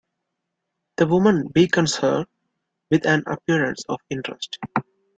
The woman beckons her, with an appearance of interest.